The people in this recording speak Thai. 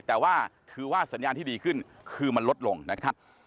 แต่ว่าคือว่าสัญญาณที่ดีขึ้นคือมันลดลงนะครับ